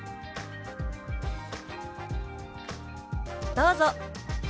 どうぞ。